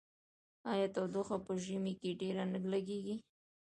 آیا تودوخه په ژمي کې ډیره نه لګیږي؟